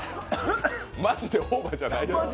マジでオーバーじゃないですか。